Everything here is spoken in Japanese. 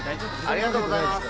ありがとうございます。